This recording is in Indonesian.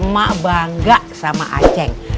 mak bangga sama aceh